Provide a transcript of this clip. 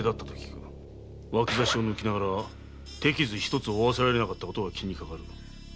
脇差を抜きながら手傷一つ負わせなかった事が気にかかる。